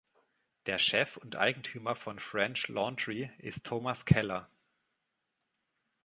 Der Chef und Eigentümer von French Laundry ist Thomas Keller.